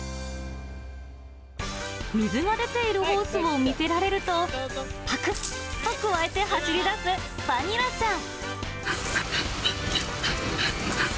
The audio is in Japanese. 水が出ているホースを見せられると、ぱくっとくわえて走りだす、バニラちゃん。